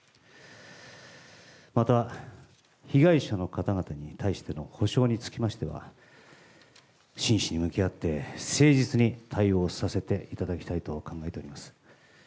また被害者の方々に対しての補償につきましては、真摯に向き合って、誠実に対応させていただきたいと考えております。